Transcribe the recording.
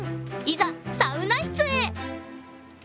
いざサウナ室へ！